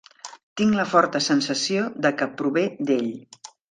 Tinc la forta sensació de que prové d'ell.